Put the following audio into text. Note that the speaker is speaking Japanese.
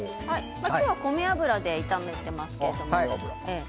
今日は米油で炒めています。